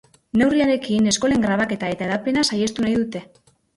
Neurriarekin eskolen grabaketa eta hedapena saihestu nahi dute.